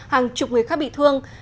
hàng chục người khác bị thương